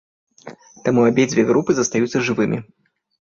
Таму абедзве групы застаюцца жывымі.